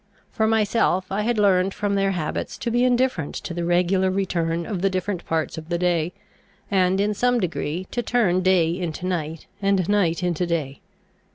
For myself, I had learned from their habits to be indifferent to the regular return of the different parts of the day, and in some degree to turn day into night, and night into day.